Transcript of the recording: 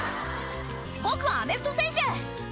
「僕はアメフト選手！」